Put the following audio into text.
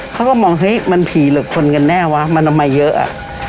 เขาก็มองเฮ้ยมันผีหรือคนกันแน่วะมันเอามาเยอะอ่ะ